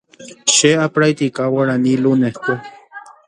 Che apractica Guarani luneskue.